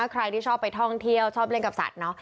ใครที่ชอบไปท่องเที่ยวชอบเล่นกับสัตว์